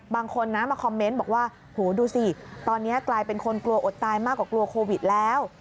บางคนนะมาคอมเมนต์บอกว่าโหดูสิตอนนี้กลายเป็นคนกลัวอดตายมากกว่ากลัวโควิดแล้ว